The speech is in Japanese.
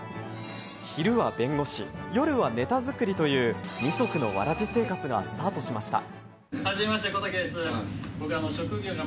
昼は弁護士、夜はネタ作りという二足のわらじ生活がスタートしました。